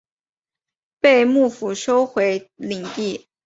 被幕府收回领地。